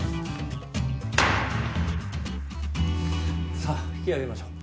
さあ引き揚げましょう。